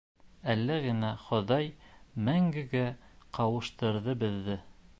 Әле генә Хоҙай мәңгегә ҡауыштырҙы беҙҙе.